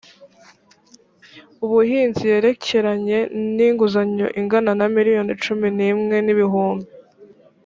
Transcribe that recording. ubuhinzi yerekeranye n inguzanyo ingana na miliyoni cumi n imwe n ibihumbi